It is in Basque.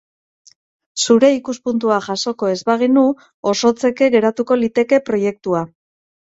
Zure ikuspuntua jasoko ez bagenu, osotzeke geratuko liteke proiektua.